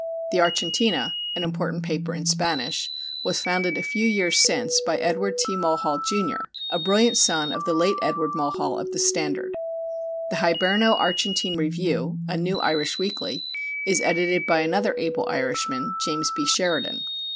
The Argentina, an important paper in Spanish, was founded a few years since by Edward T. Mulhall, Jr., a brilliant son of the late Edward Mulhall of the Standard. The Hyberno Argentine Review, a new Irish weekly, is edited by another able Irishman, James B. Sheridan.